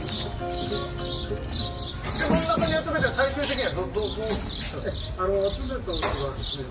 真ん中に集めて最終的にはどうするんですか？